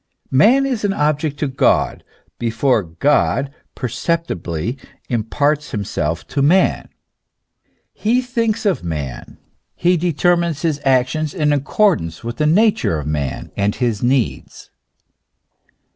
Man is an object to God, before God perceptibly imparts himself to man ; he thinks of man ; he determines his action in accordance with the nature of man and his needs.